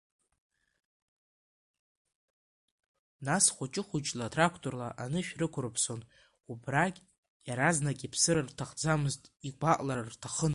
Нас хәыҷы-хәыҷла трақторла анышә рықәрыԥсон, убрагь иаразнак иԥсыр рҭахӡамызт, игәаҟлар рҭахын.